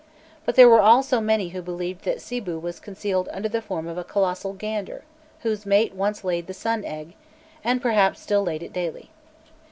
But there were also many who believed that Sibû was concealed under the form of a colossal gander, whose mate once laid the Sun Egg, and perhaps still laid it daily.